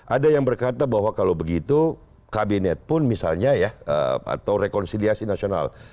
ada yang berkata bahwa kalau begitu kabinet pun misalnya ya atau rekonsiliasi nasional